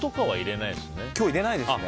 今日、入れないですね。